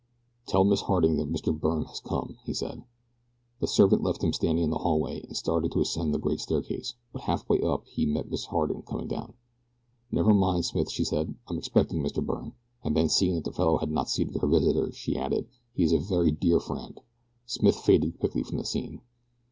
"Tell Miss Harding that Mr. Byrne has come," he said. The servant left him standing in the hallway, and started to ascend the great staircase, but halfway up he met Miss Harding coming down. "Never mind, Smith," she said. "I am expecting Mr. Byrne," and then seeing that the fellow had not seated her visitor she added, "He is a very dear friend." Smith faded quickly from the scene.